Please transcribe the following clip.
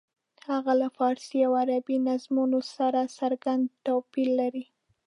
هغه له فارسي او عربي نظمونو سره څرګند توپیر لري.